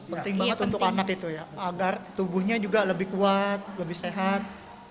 penting banget untuk anak itu ya agar tubuhnya juga lebih kuat lebih sehat